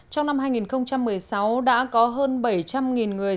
trong năm hai nghìn một mươi sáu đã có hơn bảy trăm linh người